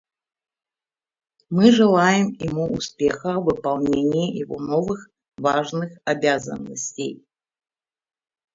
Мы желаем ему успеха в выполнении его новых важных обязанностей.